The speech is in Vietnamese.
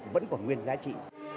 vẫn còn nguyên giá trị